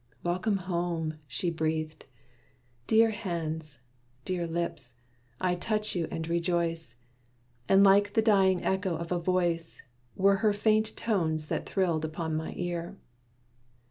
"Welcome home!" she breathed, "Dear hands! dear lips! I touch you and rejoice." And like the dying echo of a voice Were her faint tones that thrilled upon my ear.